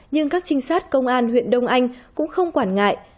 nhưng các trinh sát công an huyện đông anh cũng không quản ngại